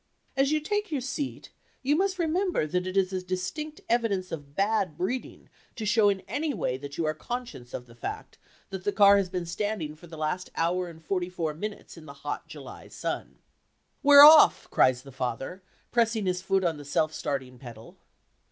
As you take your seat you must remember that it is a distinct evidence of bad breeding to show in any way that you are conscious of the fact that the car has been standing for the last hour and forty four minutes in the hot July sun. "We're off!" cries father, pressing his foot on the self starting pedal.